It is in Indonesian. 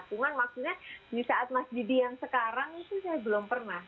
cuman maksudnya di saat mas didi yang sekarang itu saya belum pernah